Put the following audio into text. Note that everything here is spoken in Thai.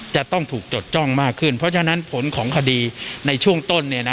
จะต้องถูกจดจ้องมากขึ้นเพราะฉะนั้นผลของคดีในช่วงต้น